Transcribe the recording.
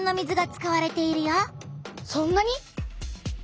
そんなに？